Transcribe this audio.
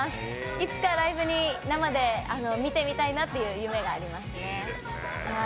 いつかライブに、生で見てみたいなという夢がありますね。